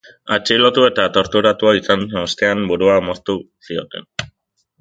Atxilotu eta torturatua izan ostean, burua moztu zioten.